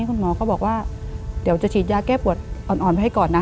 คุณหมอก็บอกว่าเดี๋ยวจะฉีดยาแก้ปวดอ่อนไปให้ก่อนนะ